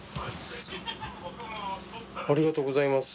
ありがとうございます。